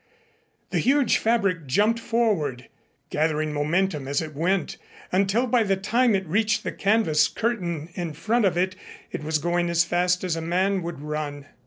The huge fabric jumped forward, gathering momentum as it went, until by the time it reached the canvas curtain in front of it, it was going as fast as a man would run.